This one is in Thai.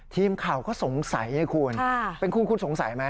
ทีมข่าวก็สงสัยไงคุณเป็นคุณคุณสงสัยไหม